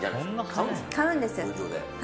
買うんです。